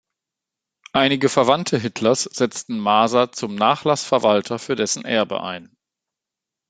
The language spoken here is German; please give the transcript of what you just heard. Einige Verwandte Hitlers setzten Maser zum „Nachlassverwalter“ für dessen Erbe ein.